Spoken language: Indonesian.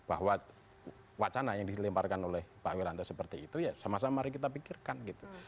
bahwa wacana yang dilemparkan oleh pak wiranto seperti itu ya sama sama mari kita pikirkan gitu